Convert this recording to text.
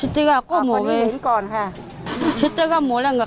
แต่ชิตติกะก็หม่อแหวน